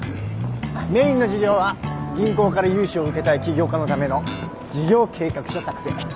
メインの事業は銀行から融資を受けたい起業家のための事業計画書作成。